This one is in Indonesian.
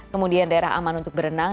kemudian daerah aman untuk berenang